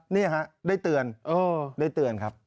นี่ฮะได้เตือนครับ